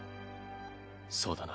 そうだな。